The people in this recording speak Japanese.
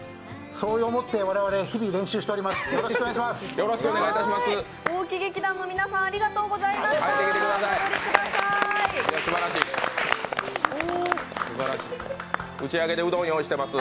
そう思って我々、日々、練習しています。